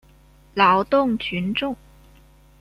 劳动群众。